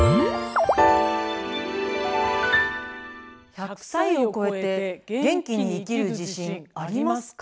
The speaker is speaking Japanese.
１００歳を超えて元気に生きる自信ありますか？